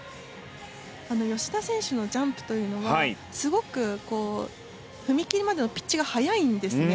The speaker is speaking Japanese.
吉田選手のジャンプというのはすごく踏み切りまでのピッチが早いんですね。